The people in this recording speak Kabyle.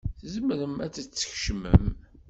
Tzemrem ad d-tkecmem.